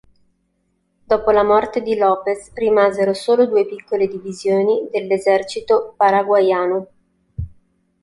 Dopo la morte di López rimasero solo due piccole divisioni dell'esercito paraguaiano.